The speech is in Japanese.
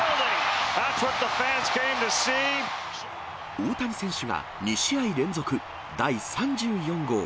大谷選手が２試合連続、第３４号。